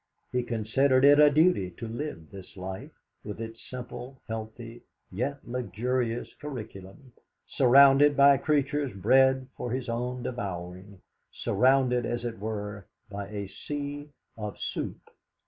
He considered it a duty to live this life, with its simple, healthy, yet luxurious curriculum, surrounded by creatures bred for his own devouring, surrounded, as it were, by a sea of soup!